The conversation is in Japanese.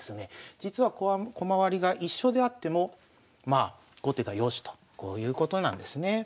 実は駒割りが一緒であっても後手が良しとこういうことなんですね。